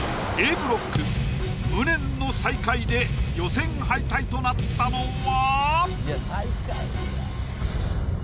ブロック無念の最下位で予選敗退となったのは？